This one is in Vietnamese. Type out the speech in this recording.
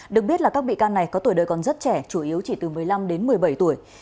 được biết là các bị can này có tuổi đời còn rất trẻ chủ yếu chỉ từ một mươi năm đến một mươi bảy tuổi